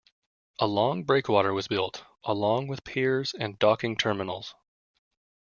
A long breakwater was built, along with piers and docking terminals.